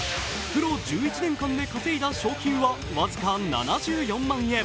プロ１１年間で稼いだ賞金は僅か７４万円。